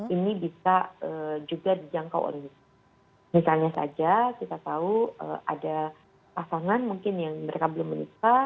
ini bisa juga dijangkau oleh misalnya saja kita tahu ada pasangan mungkin yang mereka belum menikah